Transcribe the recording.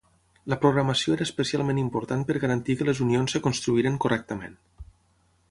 La programació era especialment important per garantir que les unions es construïren correctament.